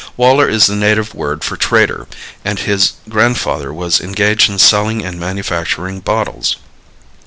"Waller" is the native word for trader, and his grandfather was engaged in selling and manufacturing bottles.